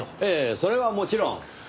ええそれはもちろん。